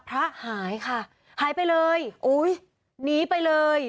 หายค่ะหายไปเลยอุ้ยหนีไปเลย